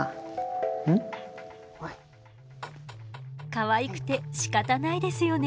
かわいくてしかたないですよね。